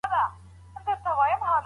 په رواياتو کي د دوی په اړه څه راځي؟